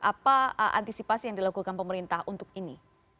apa antisipasi yang dilakukan pemerintah untuk ini